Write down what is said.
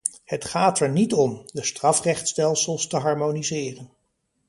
Het gaat er niet om, de strafrechtsstelsels te harmoniseren.